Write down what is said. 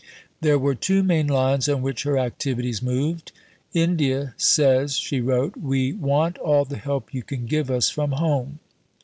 There were two main lines on which her activities moved. "India says," she wrote, "'We want all the help you can give us from home.'"